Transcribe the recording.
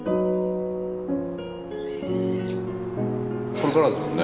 これからですもんね。